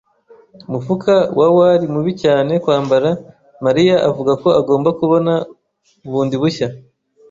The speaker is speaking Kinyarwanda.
Umufuka wa wari mubi cyane kwambara, Mariya avuga ko agomba kubona bundi bushya.